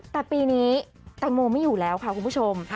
แต่ปีนี้แตงโมไม่อยู่แล้วค่ะคุณผู้ชม